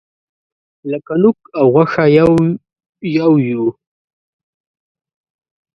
لکه نوک او غوښه یو یو یوو.